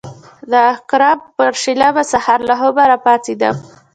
د عقرب پر شلمه سهار له خوبه راپاڅېدو.